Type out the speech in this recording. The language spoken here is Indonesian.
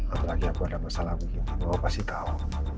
apalagi aku ada masalah begini oh pasti tahu